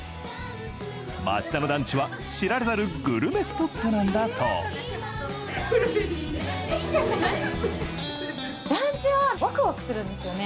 町田の団地は、知られざるグルメスポットなんだそう団地はワクワクするんですよね